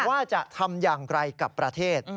ว่าจะทำอย่างไรกับประเทศ